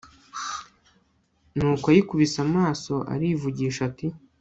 nuko ayikubise amaso arivugisha ati